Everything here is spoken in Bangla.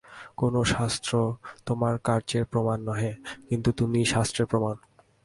কোন শাস্ত্র তোমার কার্যের প্রমাণ নহে, কিন্তু তুমিই শাস্ত্রের প্রমাণ।